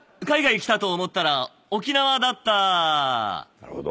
なるほど。